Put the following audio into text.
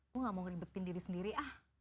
gue gak mau ngeribetin diri sendiri ah